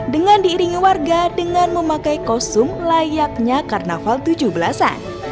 dengan diiringi warga dengan memakai kostum layaknya karnaval tujuh belas an